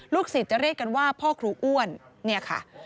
ศิษย์จะเรียกกันว่าพ่อครูอ้วนเนี่ยค่ะ